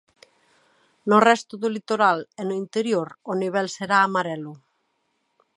No resto do litoral e no interior o nivel será amarelo.